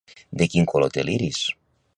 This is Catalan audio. De quin color té l'iris?